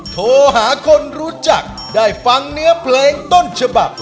โทรหาคนรู้จักได้ฟังเนื้อเพลงต้นฉบับ